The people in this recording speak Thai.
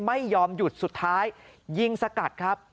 ไม่ยอมหยุดสุดท้ายยิงสกัดครับ